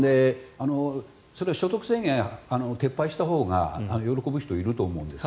それは所得制限を撤廃したほうが喜ぶ人はいると思うんです。